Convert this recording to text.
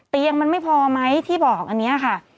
เตียงมันไม่พอไหมที่บอกอันนี้ค่ะ